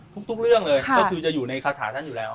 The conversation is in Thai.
ทุกเรื่องเลยก็คือจะอยู่ในคาถาท่านอยู่แล้ว